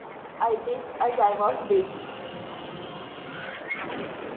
I did as I was bidden.